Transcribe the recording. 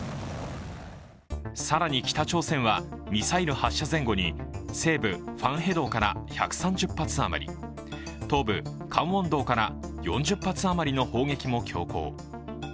更に北朝鮮はミサイル発射前後に西部ファンヘドから１３０発余り、東部・カンウォンドから４０発余りの砲撃も強行。